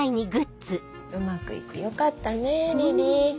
うまくいってよかったねリリイ。